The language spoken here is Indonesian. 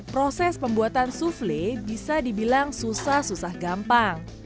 proses pembuatan souffle bisa dibilang susah susah gampang